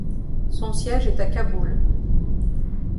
Son siège est à Kaboul.